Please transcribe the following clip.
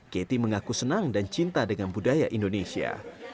katie mengaku senang dan cinta dengan budaya indonesia